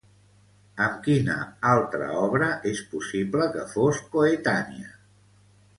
Amb quina altra obra és possible que fos coetània?